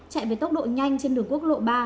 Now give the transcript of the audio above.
chạy với tốc độ nhanh trên đường quốc lộ ba